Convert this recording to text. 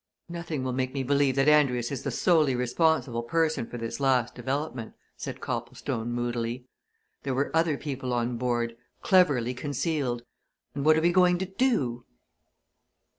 "Nothing will make me believe that Andrius is the solely responsible person for this last development," said Copplestone, moodily. "There were other people on board cleverly concealed. And what are we going to do?"